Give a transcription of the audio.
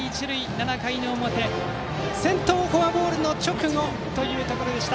７回の表先頭フォアボールの直後というところでした。